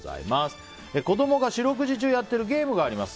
子供が四六時中やっているゲームがあります。